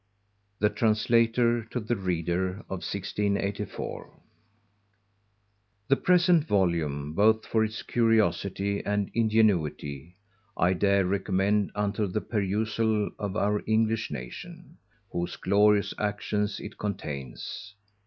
THE TRANSLATOR TO THE READER (OF 1684). _THE present Volume, both for its Curiosity and Ingenuity, I dare recommend unto the perusal of our English nation, whose glorious actions it containeth.